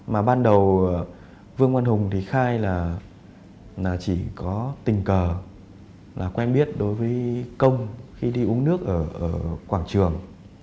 mà ban đầu vương văn hùng thì khai là chỉ có tình cờ là quen biết đối với công khi đi uống nước ở quảng trường